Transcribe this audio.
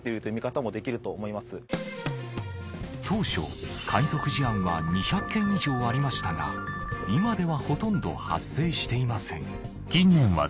当初海賊事案は２００件以上ありましたが今ではほとんど発生していません